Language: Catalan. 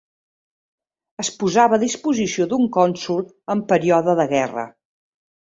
Es posava a disposició d'un cònsol en període de guerra.